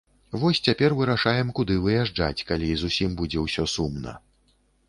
Вось цяпер вырашаем куды выязджаць, калі зусім будзе ўсё сумна.